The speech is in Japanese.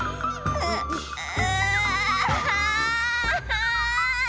うう。